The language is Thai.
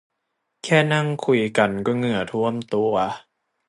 แค่นั่งคุยกันก็เหงื่อท่วมตัว